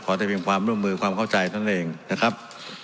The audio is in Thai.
ขอได้มิลภาพร่มด้วยความเข้าใจเขาเนอะเองนะครับ